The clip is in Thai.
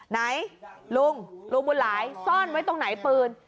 ไหนลุงลุงบุญหลายซ่อนไว้ตรงไหนปืน